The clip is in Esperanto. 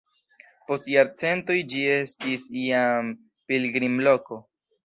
Post jarcentoj ĝi estis jam pilgrimloko.